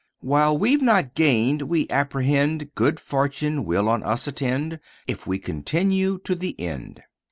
"While we've not gained, we apprehend Good Fortune will on us attend, If we continue to the end.